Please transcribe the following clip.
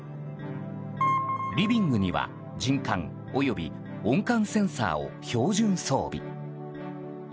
リビングには、人感及び音感センサーを標準装備。